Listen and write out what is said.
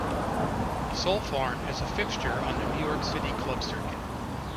Soulfarm is a fixture on the New York City club circuit.